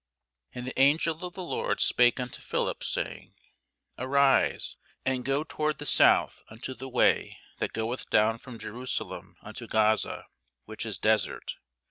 And the angel of the Lord spake unto Philip, saying, Arise, and go toward the south unto the way that goeth down from Jerusalem unto Gaza, which is desert.